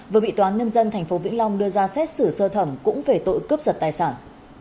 vừa bị toán nhân dân tp vĩnh long đưa ra xét xử sơ thẩm cũng về tội cướp giật tài sản